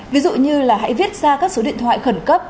ví dụ như là hãy viết ra các số điện thoại khẩn cấp